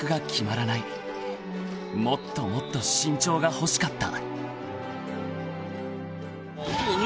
［もっともっと身長が欲しかった］